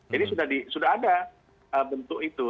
jadi sudah ada bentuk itu